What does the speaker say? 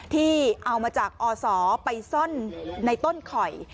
ที่เอามาจากอศไปซ่อนในต้นข่อย